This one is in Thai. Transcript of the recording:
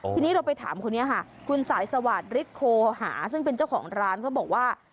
ทีนี้เราไปถามคุณเนี่ยค่ะคุณสาวริสคโคหาซึ่งเป็นเจ้าของร้านบอกว่า